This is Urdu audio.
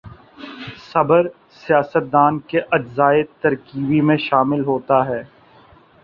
صبر سیاست دان کے اجزائے ترکیبی میں شامل ہوتا ہے۔